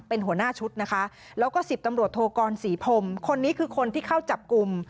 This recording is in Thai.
เป็นหัวหน้าชุดนะคะแล้วก็สิบตำรวจโทกรศรีพรมคนนี้คือคนที่เข้าจับกลุ่ม